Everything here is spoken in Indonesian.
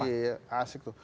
iya asik tuh